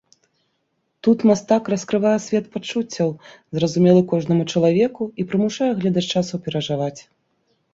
Тут мастак раскрывае свет пачуццяў, зразумелы кожнаму чалавеку, і прымушае гледача суперажываць.